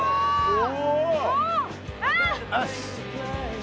お！